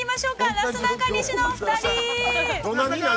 なすなかにしのお二人。